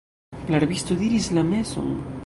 La rabisto diris la meson!